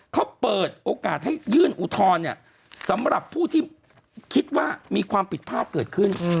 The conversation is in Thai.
เขาเปิดโอกาสให้ยื่นอุทธรณ์เนี่ยสำหรับผู้ที่คิดว่ามีความผิดพลาดเกิดขึ้น